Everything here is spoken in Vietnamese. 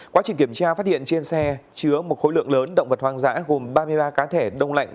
quá trình kiểm tra phát hiện trên xe chứa một khối lượng lớn động vật hoang dã gồm ba mươi ba cá thể đông lạnh